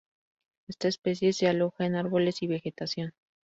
Esta especie se aloja en árboles y vegetación.